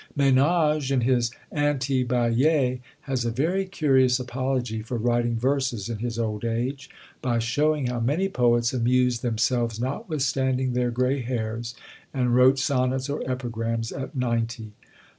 Menage, in his Anti Baillet, has a very curious apology for writing verses in his old age, by showing how many poets amused themselves notwithstanding their grey hairs, and wrote sonnets or epigrams at ninety.